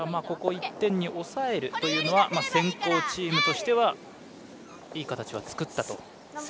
ここ１点に抑えるというのは先攻チームとしてはいい形は作ったと。